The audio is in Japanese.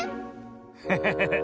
ハハハハ。